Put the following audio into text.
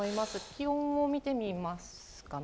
気温も見てみますかね。